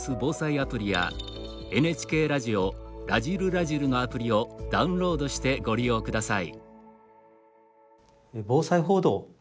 アプリやＮＨＫラジオ「らじる★らじる」のアプリをダウンロードしてご利用ください。